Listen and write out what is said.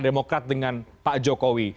demokrat dengan pak jokowi